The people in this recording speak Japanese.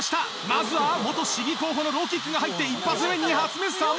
まずは市議候補のローキックが入って１発目２発目３発目！